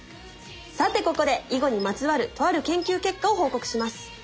さてここで囲碁にまつわるとある研究結果を報告します。